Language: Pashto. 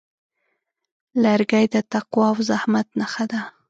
لرګی د تقوا او زحمت نښه ده.